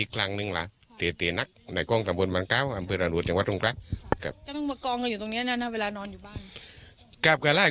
ก็ต้องมากองกันอยู่ตรงเนี้ยน่าน่าเวลานอนอยู่บ้างกลับกันแล้ว